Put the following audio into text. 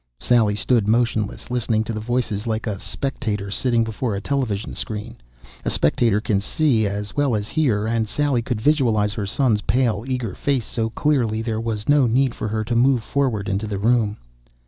Sally stood motionless, listening to the voices like a spectator sitting before a television screen. A spectator can see as well as hear, and Sally could visualize her son's pale, eager face so clearly there was no need for her to move forward into the room.